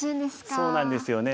そうなんですよね。